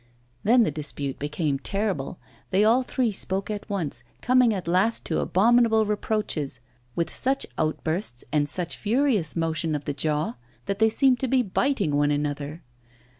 Then the dispute became terrible, they all three spoke at once, coming at last to abominable reproaches, with such outbursts, and such furious motion of the jaw, that they seemed to be biting one another.